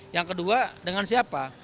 yang kedua dengan siapa